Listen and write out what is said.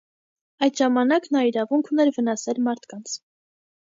Այդ ժամանակ նա իրավունք ուներ վնասել մարդկանց։